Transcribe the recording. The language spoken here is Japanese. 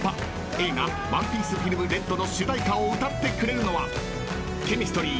映画『ＯＮＥＰＩＥＣＥＦＩＬＭＲＥＤ』の主題歌を歌ってくれるのはＣＨＥＭＩＳＴＲＹ